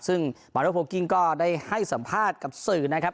ซึ่งมาโนโพลกิ้งก็ได้ให้สัมภาษณ์กับสื่อนะครับ